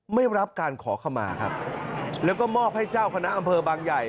ไม่รับการขอขมาครับแล้วก็มอบให้เจ้าคณะอำเภอบางใหญ่